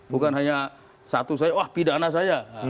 bukan hanya satu saya wah pidana saya